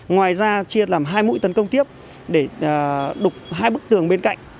ngoài ra chia làm hai mũi tấn công tiếp để đục hai bức tường bên cạnh